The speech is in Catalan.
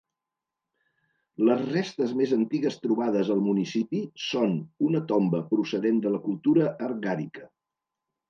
Les restes més antigues trobades al municipi són una tomba procedent de la cultura argàrica.